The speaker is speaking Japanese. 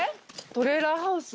トレーラーハウス。